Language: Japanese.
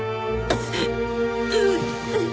うっ。